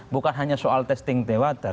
bukan hanya soal testing tewa